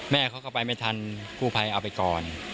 แม่เขาก็ไปไม่ทันกู้ภัยเอาไปก่อน